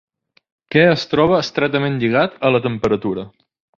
Què es troba estretament lligat a la temperatura?